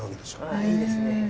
あいいですね。